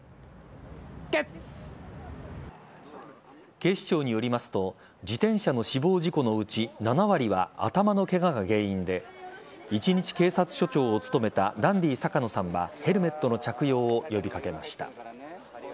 警視庁によりますと自転車の死亡事故のうち７割は頭のケガが原因で一日警察署長を務めたダンディ坂野さんはヘルメットの着用を呼び掛けました。